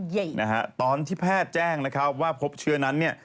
เย่นะฮะตอนที่แพทย์แจ้งว่าพบเชื้อนั้น